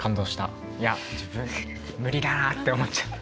いや自分無理だなあって思っちゃった。